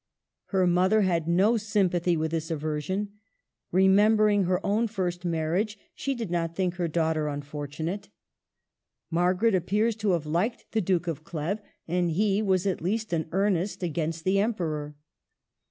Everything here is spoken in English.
Her mother had no sympathy with this aversion. Remembering her own first marriage, she did not think her daughter un fortunate. Margaret appears to have liked the Duke of Cleves ; and he was at least an earnest against the Emperor.